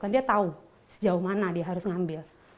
dia tahu sejauh mana dia harus ngambil